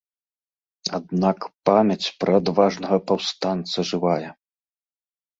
Аднак памяць пра адважнага паўстанца жывая.